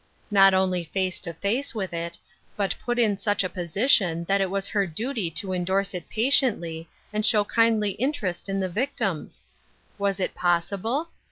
Not only face to face with it, but put in such a posi tion that it was her duty to endure it patiently and show kindly interest in the victims ? Was it possible